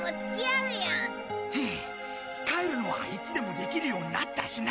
ふう帰るのはいつでもできるようになったしな。